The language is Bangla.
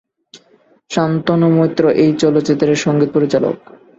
শান্তনু মৈত্র এই চলচ্চিত্রের সংগীত পরিচালক।